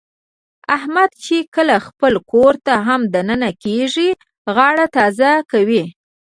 احمد چې کله خپل کورته هم د ننه کېږي، غاړه تازه کوي.